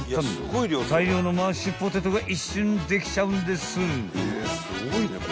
［大量のマッシュポテトが一瞬できちゃうんです］